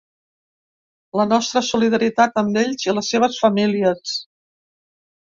La nostra solidaritat amb ells i les seves famílies.